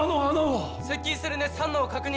接近する熱反応を確認。